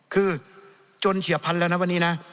คือจนเฉียบพันธุแล้วนะวันนี้นะ